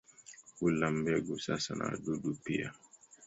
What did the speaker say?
Hula mbegu hasa na wadudu pia.